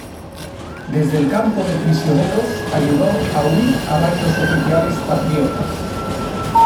Desde el campo de prisioneros ayudó a huir a varios oficiales patriotas.